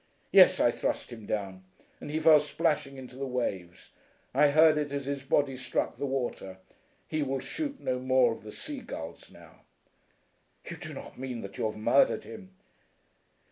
"Yes, I thrust him down, and he fell splashing into the waves. I heard it as his body struck the water. He will shoot no more of the sea gulls now." "You do not mean that you have murdered him?"